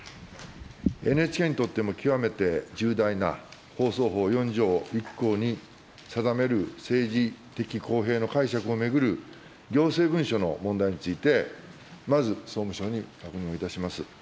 ＮＨＫにとっても極めて重大な、放送法４条１項に定める政治的公平の解釈を巡る、行政文書の問題について、まず総務省に確認をいたします。